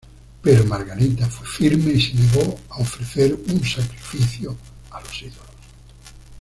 Pero Margarita fue firme y se negó a ofrecer un sacrificio a los ídolos.